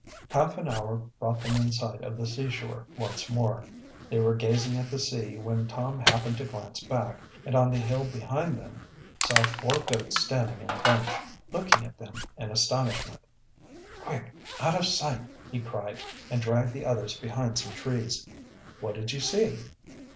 Half an hour brought them in sight of the seashore once more. They were gazing at the sea when Tom happened to glance back, and on the hill behind them saw four goats standing in a bunch, looking at them in astonishment. "Quick! out of sight!" he cried, and dragged the others behind some trees. "What did you see?"